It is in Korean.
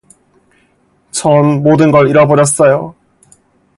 전 모든 걸 잃어버렸어요.